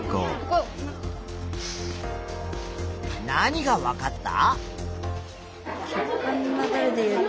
何がわかった？